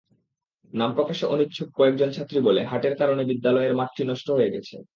নাম প্রকাশে অনিচ্ছুক কয়েকজন ছাত্রী বলে, হাটের কারণে বিদ্যালয় মাঠটি নষ্ট হয়ে গেছে।